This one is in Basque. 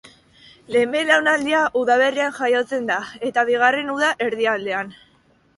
Lehen belaunaldia udaberrian jaiotzen da, eta bigarrena uda erdialdean.